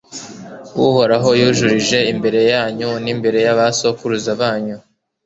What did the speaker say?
uhoraho yujurije imbere yanyu n'imbere y'abasokuruza banyu